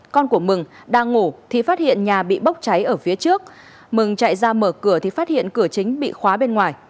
con của mừng đang ngủ thì phát hiện nhà bị bốc cháy ở phía trước mừng chạy ra mở cửa thì phát hiện cửa chính bị khóa bên ngoài